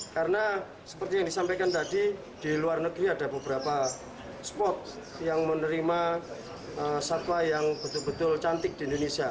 karena seperti yang disampaikan tadi di luar negeri ada beberapa spot yang menerima satwa yang betul betul cantik di indonesia